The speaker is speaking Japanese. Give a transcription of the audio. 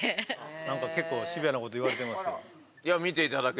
なんか結構シビアなこと言われてますけど。